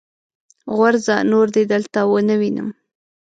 غورځه! نور دې دلته و نه وينم.